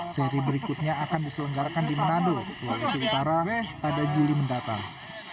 seri berikutnya akan diselenggarakan di manado sulawesi utara pada juli mendatang